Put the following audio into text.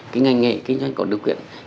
cái ngành nghề kinh doanh có điều kiện